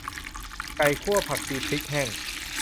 ไก่คั่วผักชีพริกแห้ง